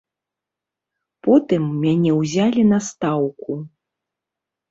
Потым мяне ўзялі на стаўку.